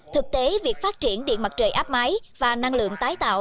thực tế việc phát triển điện mặt trời áp máy và năng lượng tái tạo